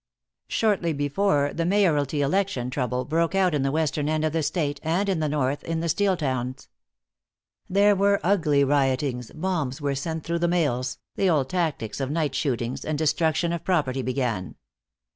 Shortly before the mayoralty election trouble broke out in the western end of the state, and in the north, in the steel towns. There were ugly riotings, bombs were sent through the mails, the old tactics of night shootings and destruction of property began.